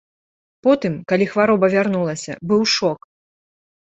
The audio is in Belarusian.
Потым, калі хвароба вярнулася, быў шок.